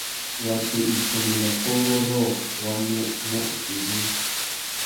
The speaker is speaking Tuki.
Watu iffundu nà kônkô rôō wá mú nà ipîmbîri.